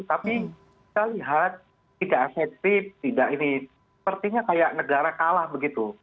tapi kita lihat tidak aseptif tidak ini sepertinya kayak negara kalah begitu